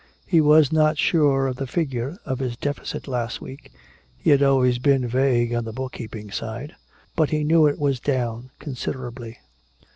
He was not sure of the figure of his deficit last week he had always been vague on the book keeping side but he knew it was down considerably.